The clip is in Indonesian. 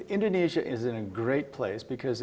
indonesia sangat bagus karena